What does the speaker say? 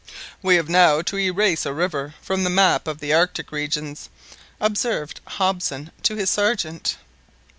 "We have now to erase a river from the map of the Arctic regions," observed Hobson to his Sergeant.